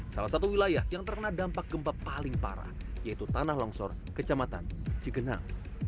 salah satu wilayah yang terkena dampak gempa paling parah yaitu tanah longsor kecamatan cigenang